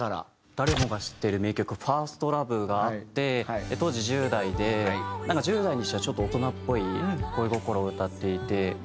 誰もが知っている名曲『ＦｉｒｓｔＬｏｖｅ』があって当時１０代でなんか１０代にしてはちょっと大人っぽい恋心を歌っていて。